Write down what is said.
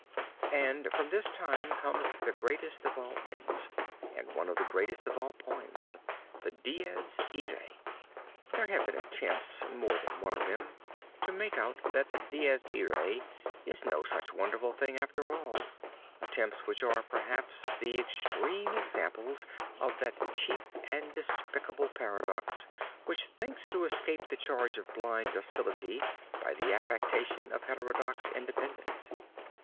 "And from this time comes the greatest of all hymns, and one of the greatest of all poems, the Dies Irae. There have been attempts more than one of them to make out that the Dies Irae is no such wonderful thing after all; attempts which are, perhaps, the extreme examples of that cheap and despicable paradox which thinks to escape the charge of blind docility by the affectation of heterodox independence.